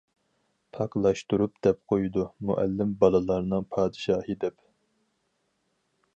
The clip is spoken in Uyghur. پاكلاشتۇرۇپ دەپ قويىدۇ، مۇئەللىم بالىلارنىڭ پادىشاھى دەپ.